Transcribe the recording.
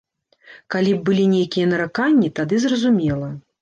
Калі б былі нейкія нараканні, тады зразумела.